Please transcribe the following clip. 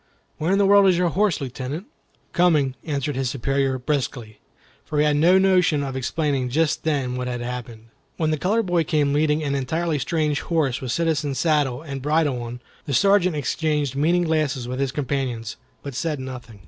Where in the world is your horse, Lieutenant?" "Coming," answered his superior, briskly, for he had no notion of explaining just then what had happened. When the colored boy came leading an entirely strange horse with citizen saddle and bridle on, the Sergeant exchanged meaning glances with his companions, but said nothing.